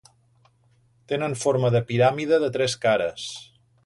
Tenen forma de piràmide de tres cares.